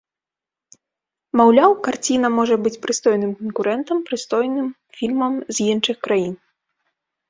Маўляў, карціна можа быць прыстойным канкурэнтам прыстойным фільмам з іншых краін.